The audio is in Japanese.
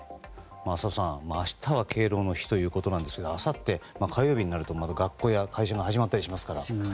浅尾さん、明日は敬老の日ということですけどもあさって火曜日になるとまた学校や会社が始まったりしますから。